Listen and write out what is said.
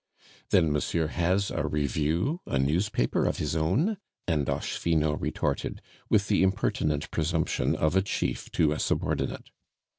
"Then Monsieur has a review a newspaper of his own?" Andoche Finot retorted, with the impertinent presumption of a chief to a subordinate.